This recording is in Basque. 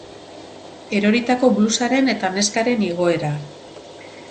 Eroritako blusaren eta neskaren igoera.